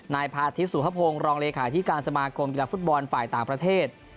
นายพาทิตสุภพงศ์รองเลขาธิการสมาคมกีฬาฟุตบอลฝ่ายต่างประเทศ